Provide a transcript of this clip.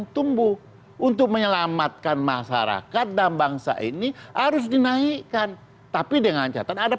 tumbuh untuk menyelamatkan masyarakat dan bangsa ini harus dinaikkan tapi dengan catatan ada